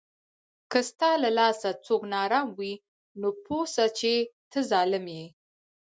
که ستا له لاسه څوک ناارام وي، نو پوه سه چې ته ظالم یې